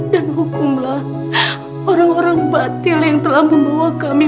dan hukumlah orang orang batil yang telah membawa kami